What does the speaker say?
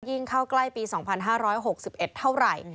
เข้าใกล้ปี๒๕๖๑เท่าไหร่